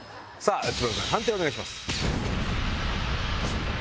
内村さん判定お願いします。